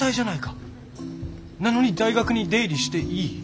なのに大学に出入りしていい？